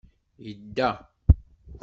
Idda.